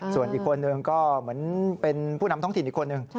ส่วนอีกคนนึงก็เหมือนเป็นผู้นำท้องถิ่นอีกคนหนึ่ง